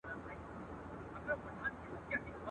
چي په زړه کي څه در تېر نه سي آسمانه.